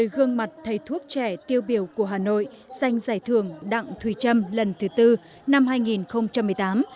một mươi gương mặt thầy thuốc trẻ tiêu biểu của hà nội xanh giải thưởng đặng thùy trâm lần thứ tư năm hai nghìn một mươi tám